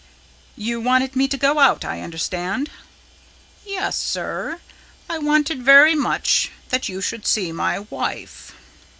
"You wanted me to go out, I understand?" "Yes, sir. I wanted very much that you should see my wife."